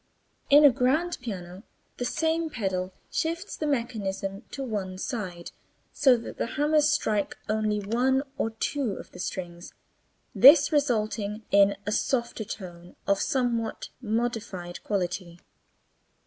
In the grand piano this same pedal shifts the mechanism to one side so that the hammers strike only one or two of the strings, this resulting in a softer tone of somewhat modified quality.